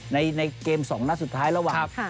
ในเกม๒นัดสุดท้ายระหว่าง